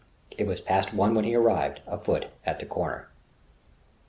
It was past one when he arrived, afoot, at the corner.